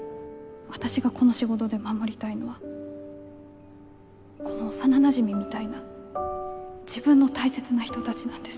私がこの仕事で守りたいのはこの幼なじみみたいな自分の大切な人たちなんです。